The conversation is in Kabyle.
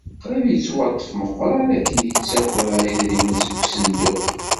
Qrib yettwaṭṭef Meqqran akken yettaker idrimen deg usenduq.